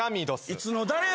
いつの誰や？